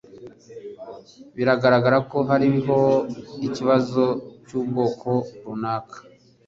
Biragaragara ko hariho ikibazo cyubwoko runaka.